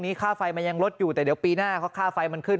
ค่าไฟมันยังลดอยู่แต่เดี๋ยวปีหน้าค่าไฟมันขึ้น